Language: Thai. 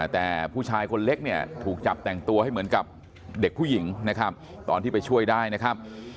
แต่ผู้ชายคนเล็กเนี่ยถูกจับแต่งตัวให้เหมือนกับเด็กผู้หญิงนะครับตอนที่ไปช่วยได้นะครับ